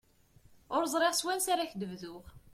Ur ẓriɣ s wansa ara ak-d-bduɣ.